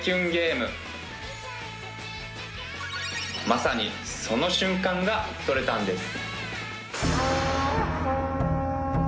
まさにその瞬間が撮れたんです